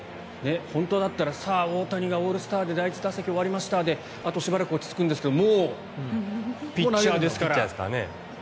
本当だったらさあ、大谷がオールスターで第１打席終わりましたであとしばらく落ち着くんですけどもうピッチャーですから。